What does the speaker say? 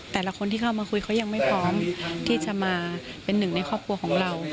แต่ละคนที่เข้ามาคุยเขายังไม่พร้อมที่จะมาเป็นหนึ่งในครอบครัวของเรา